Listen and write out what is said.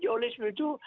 oleh sebab itu